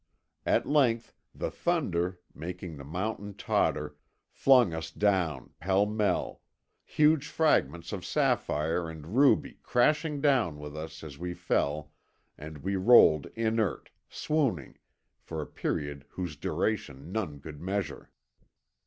At length, the thunder, making the mountain totter, flung us down pell mell, huge fragments of sapphire and ruby crashing down with us as we fell, and we rolled inert, swooning, for a period whose duration none could measure.